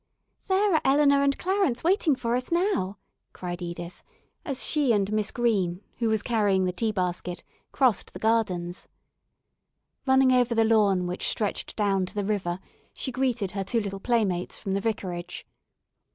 "There are Eleanor and Clarence waiting for us now," cried Edith, as she and Miss Green, who was carrying the tea basket, crossed the gardens. Running over the lawn, which stretched down to the river, she greeted her two little playmates from the vicarage.